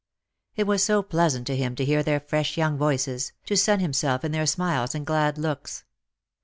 It was so pleasant to him to hear their fresh young voices, to sun himself in their smiles and glad looks.